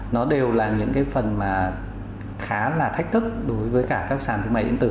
nó đều là những cái phần mà khá là thách thức đối với cả các sàn thương mại điện tử